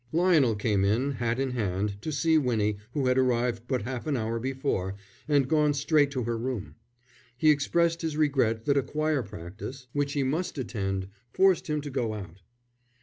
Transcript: Lionel came in, hat in hand, to see Winnie, who had arrived but half an hour before and gone straight to her room. He expressed his regret that a choir practice, which he must attend, forced him to go out.